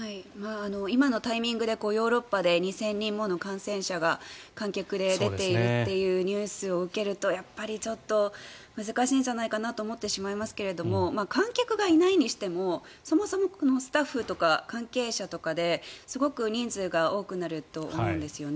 今のタイミングでヨーロッパで２０００人もの感染者が観客で出ているというニュースを受けるとやっぱりちょっと難しいんじゃないかなと思ってしまいますが観客がいないにしてもそもそもスタッフとか関係者とかですごく人数が多くなると思うんですよね。